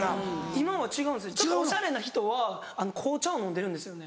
今は違うんですねちょっとおしゃれな人は紅茶を飲んでるんですよね。